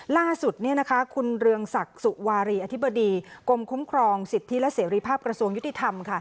ล่าสุดคุณเรืองศักดิ์สุวารีอธิบดีกรมคุ้มครองสิทธิและเสรีภาพกระทรวงยุติธรรม